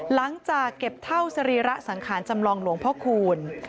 หลังจากเก็บเท่าสรีระสังขารจำลองหลวงพ่อคูณ